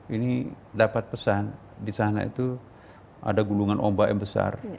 ini dapat pesan di sana itu ada gulungan ombak yang besar